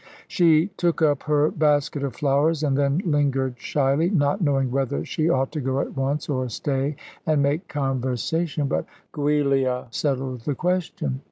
She took up her basket of flowers, and then lingered shyly, not knowing whether she ought to go at once, or stay and make conversation; but Giulia settled the question.